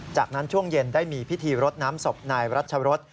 จากนั้นช่วงเย็นได้มีพิธีรดน้ำศพนายรัชรศ